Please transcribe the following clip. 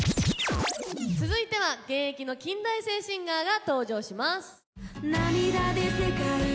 続いては現役の近大生シンガーが登場します。